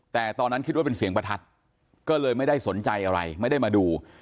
แต่ตอนนั้นคิดว่าเป็นเสียงประทัดก็เลยไม่ได้สนใจอะไรไม่ได้มาดู